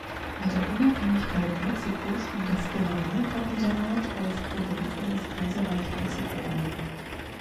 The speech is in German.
Mit der Unabhängigkeit Mexikos ging das Generalkapitanat als Provinz in das Kaiserreich Mexiko ein.